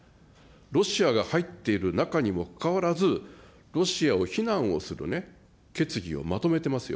ロシアが入っている中にもかかわらず、ロシアを非難をする決議をまとめてますよ。